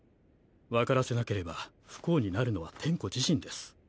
わからせなければ不幸になるのは転弧自身です。